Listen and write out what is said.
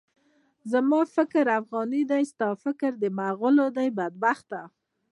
زما فکر د افغان دی، ستا فکر د مُغل دی، بدبخته!